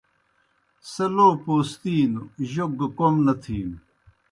سہ لو پوستِینوْ جوک گہ کوْم نہ تِھینوْ۔